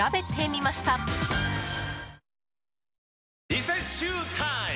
リセッシュータイム！